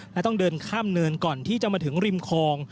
และต้องเดินข้ามเนินก่อนที่จะมาถึงริมคลอง